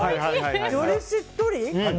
よりしっとり。